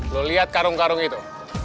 lo lihat karung karung itu